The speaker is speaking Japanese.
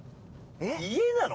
家なの？